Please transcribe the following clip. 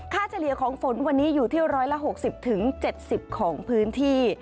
เฉลี่ยของฝนวันนี้อยู่ที่๑๖๐๗๐ของพื้นที่